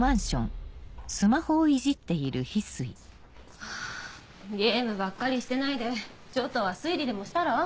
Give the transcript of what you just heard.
ハァゲームばっかりしてないでちょっとは推理でもしたら？